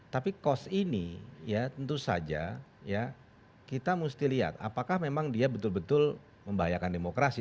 tapi cost ini ya tentu saja ya kita mesti lihat apakah memang dia betul betul membahayakan demokrasi